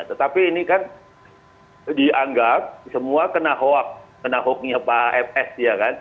tetapi ini kan dianggap semua kena hukumnya pak fs ya kan